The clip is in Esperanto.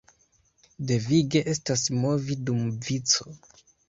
Devige estas movi dum vico.